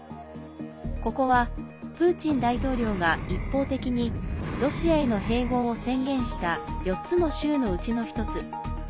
ここは、プーチン大統領が一方的にロシアへの併合を宣言した４つの州のうちの１つ。